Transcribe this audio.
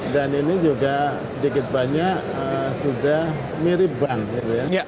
dan ini juga sedikit banyak sudah mirip bank gitu ya